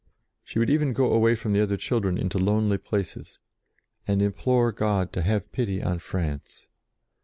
She would even go away from the other children into lonely places, and implore God to have pity on France.